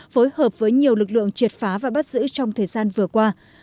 phối hợp với nhiều lực lượng triệt phá và bắt giữ trong thời gian vừa qua